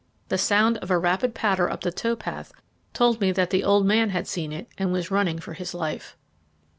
The sound of a rapid patter up the tow path told me that the old man had seen it and was running for his life.